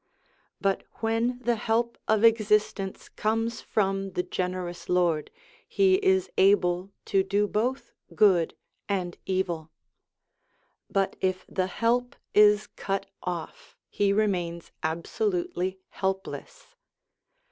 But when the help of existence comes from the Generous Lord, he is able to do both good and evil ; but if the help is cut off, he POWERS AND CONDITIONS OF MAN 289 remains absolutely helpless.